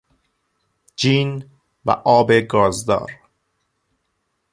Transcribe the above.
جین و آب گازدار